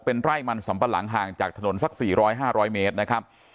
เป็นไร่มันสำปะหลังห่างจากถนนสัก๔๐๐๕๐๐เมตรนะครับ